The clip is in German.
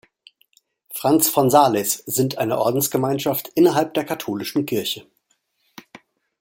Franz von Sales sind eine Ordensgemeinschaft innerhalb der katholischen Kirche.